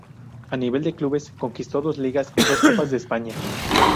A nivel de clubes conquistó dos Ligas y dos Copas de España.